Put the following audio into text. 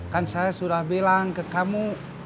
kan saya sudah bilang ke kamu